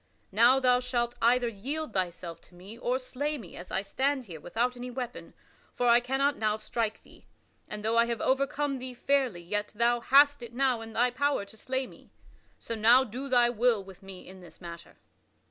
Now thou shalt either yield thyself to me or slay me as I stand here without any weapon; for I cannot now strike thee, and though I have overcome thee fairly yet thou hast it now in thy power to slay me. So now do thy will with me in this matter."